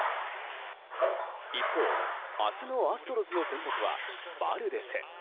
一方、明日のアストロズの先発はバルデス。